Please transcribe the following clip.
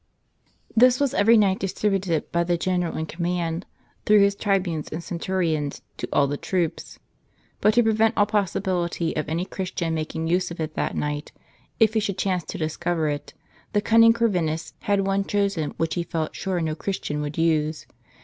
This was every night distributed by the general in command, through his tribunes and centurions, to all the troops. But to prevent all possibility of any Christian making use of it that night, if he should chance to discover it, the cunning Corvinus had one chosen which he felt sure no Christian would use.